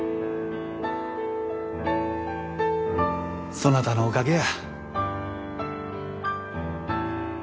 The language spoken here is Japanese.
そなたのおかげや。